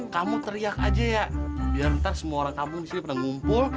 kamu teriak aja ya biar nanti semua orang kampung disini pada ngumpul